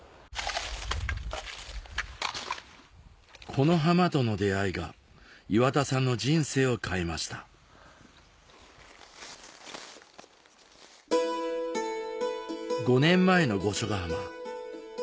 この浜との出合いが岩田さんの人生を変えました５年前の御所ヶ浜